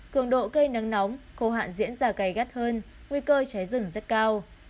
cường độ cây nắng nóng khô hạn diễn ra gây gắt hơn nguy cơ cháy rừng rất cao